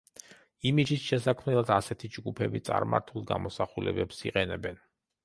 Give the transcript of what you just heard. იმიჯის შესაქმნელად ასეთი ჯგუფები წარმართულ გამოსახულებებს იყენებენ.